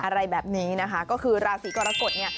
อะไรแบบนี้นะคะก็คือราศีกรกฎเนี่ย